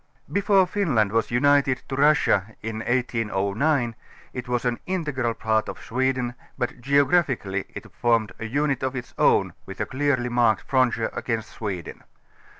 Before Finland was united to Russia in 1809 it was an integral part of Sweden, but geographicall3^ it formed a unit of its own with a clearly marked frontier against Sweden.